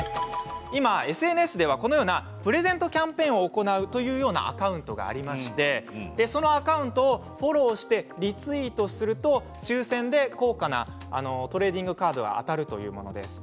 今ＳＮＳではこのようなプレゼントキャンペーンを行うというアカウントがありましてそのアカウントをフォローしてリツイートすると抽せんで高価なトレーディングカードが当たるというものです。